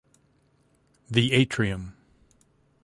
The Atrium.